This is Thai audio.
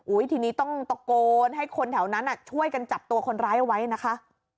ทีนี้ต้องตะโกนให้คนแถวนั้นช่วยกันจับตัวคนร้ายเอาไว้นะคะ